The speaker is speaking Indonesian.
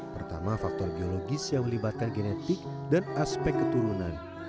pertama faktor geologis yang melibatkan genetik dan aspek keturunan